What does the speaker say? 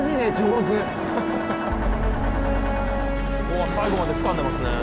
おお最後までつかんでますね。